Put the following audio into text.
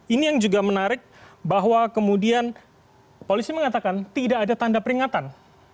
ini yang juga menarik bahwa kemudian polisi mengatakan tidak ada tanda peringatan